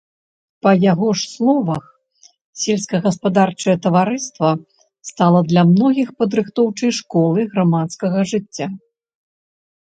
Па яго ж словах, сельскагаспадарчае таварыства стала для многіх падрыхтоўчай школай грамадскага жыцця.